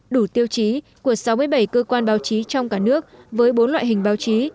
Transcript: đủ tiêu chí của sáu mươi bảy cơ quan báo chí trong cả nước với bốn loại hình báo chí